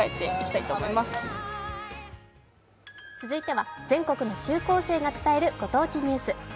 続いては全国の中高生が伝えるご当地ニュース。